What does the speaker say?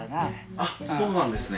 あっそうなんですね。